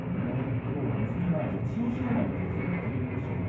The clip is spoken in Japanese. きょうは結び前で千代翔馬の挑戦を受けます。